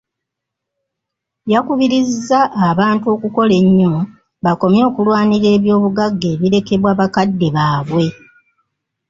Yakubirizza abantu okukola ennyo bakomye okulwanira eby'obugagga ebirekebwa bakadde baabwe.